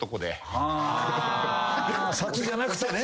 札じゃなくてね。